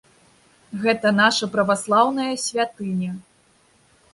Гэта наша праваслаўная святыня.